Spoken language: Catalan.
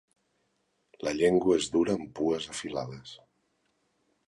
La llengua és dura amb pues afilades.